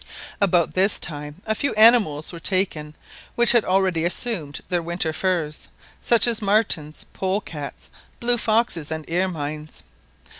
About this time a few animals were taken which had already assumed their winter furs, such as martens, polecats, blue foxes, and ermines.